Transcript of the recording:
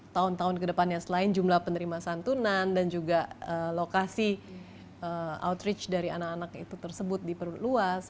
tahun tahun kedepannya selain jumlah penerima santunan dan juga lokasi outreach dari anak anak itu tersebut di perut luas